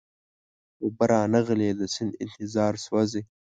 اوبه را نغلې د سیند انتظار سوزی